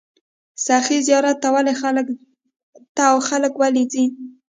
سخي زیارت ته خلک ولې ځي؟